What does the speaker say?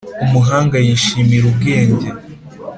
umuhanga yishimira ubwenge